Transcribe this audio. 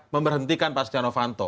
memberhentikan pak stiano fanto